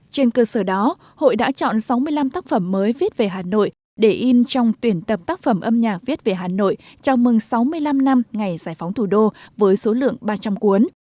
trên cơ sở đó hội đã chọn sáu mươi năm tác phẩm mới viết về hà nội để in trong tuyển tập tác phẩm âm nhạc viết về hà nội chào mừng sáu mươi năm năm ngày giải phóng thủ đô với số lượng ba trăm linh cuốn